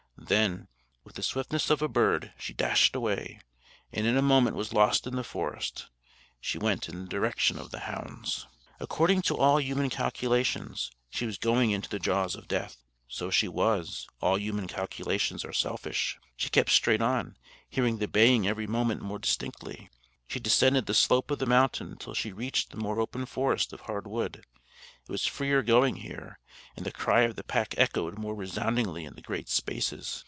Then, with the swiftness of a bird, she dashed away, and in a moment was lost in the forest. She went in the direction of the hounds. According to all human calculations, she was going into the jaws of death. So she was: all human calculations are selfish. She kept straight on, hearing the baying every moment more distinctly. She descended the slope of the mountain until she reached the more open forest of hard wood. It was freer going here, and the cry of the pack echoed more resoundingly in the great spaces.